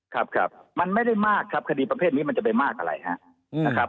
ครับครับมันไม่ได้มากครับคดีประเภทนี้มันจะไปมากอะไรครับนะครับ